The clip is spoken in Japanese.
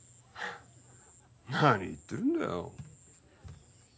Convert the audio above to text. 何言ってるんだよ。